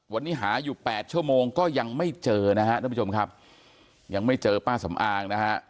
วันนี้หาอยู่๘ชั่วโมงก็ยังไม่เจอนะฮะท่านผู้ชมครับยังไม่เจอป้าสำอางนะฮะ